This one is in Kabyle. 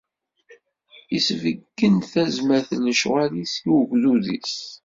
Isbeggen-d tazmert n lecɣal-is i ugdud-is.